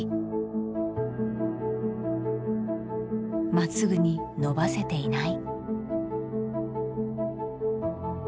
まっすぐに伸ばせていない。